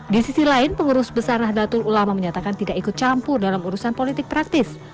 di sisi lain pengurus besar nahdlatul ulama menyatakan tidak ikut campur dalam urusan politik praktis